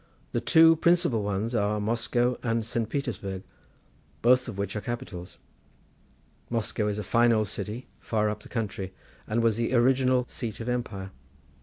The two principal ones are Moscow and Saint Petersburg, both of which are capitals. Moscow is a fine old city, far up the country, and was the original seat of empire.